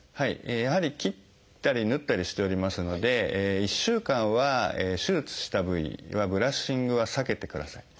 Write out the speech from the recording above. やはり切ったり縫ったりしておりますので１週間は手術した部位にはブラッシングは避けてください。